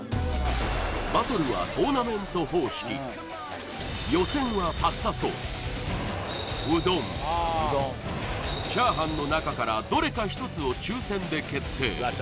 バトルはトーナメント方式予選はパスタソースうどんチャーハンの中からどれか１つを抽選で決定